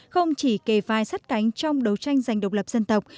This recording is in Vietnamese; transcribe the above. không chỉ kề vai sắt cánh trong đấu tranh giành độc lập dân tộc